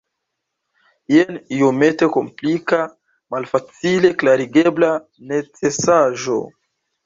Jen iomete komplika malfacile klarigebla necesaĵo.